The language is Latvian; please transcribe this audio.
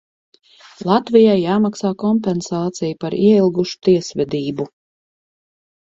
Latvijai jāmaksā kompensācija par ieilgušu tiesvedību.